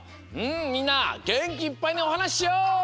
みんなげんきいっぱいにおはなししよう！